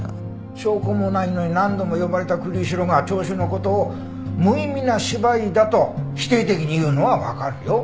証拠もないのに何度も呼ばれた栗城が聴取の事を「無意味な芝居だ」と否定的に言うのはわかるよ。